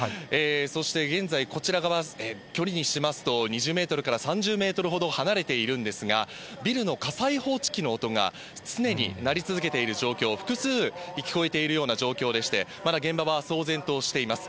そして現在、こちら側、距離にしますと２０メートルから３０メートルほど離れているんですが、ビルの火災報知機の音が、常に鳴り続けている状況、複数、聞こえているような状況でして、まだ現場は騒然としています。